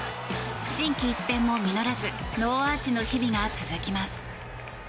心機一転も実らずノーアーチの日々が続きます。